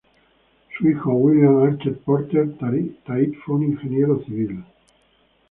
Su hijo William Archer Porter Tait fue un ingeniero civil.